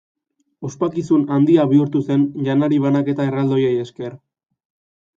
Ospakizun handia bihurtu zen janari-banaketa erraldoiei esker.